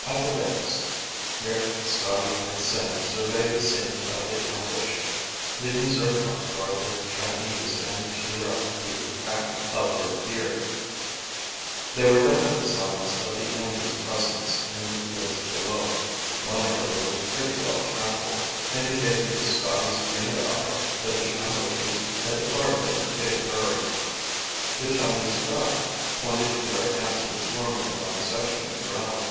After breakfast, Rick, Scotty, and Sing surveyed the scene of the ambush, leaving Zircon to guard the Chinese and to direct the repacking of their gear. There were definite signs of the enemy's presence in the woods below. One area was pretty well trampled, indicating to Scotty's trained eye that the ambushers had departed in a big hurry. The Chinese guide pointed to where ants were swarming around a section of ground.